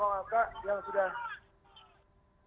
kawan kak yang sudah